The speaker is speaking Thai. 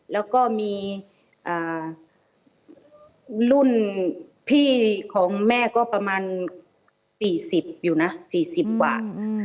แล้วก็มีรุ่นพี่ของแม่ก็ประมาณสี่สิบอยู่นะสี่สิบกว่า